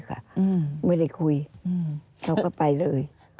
อันดับ๖๓๕จัดใช้วิจิตร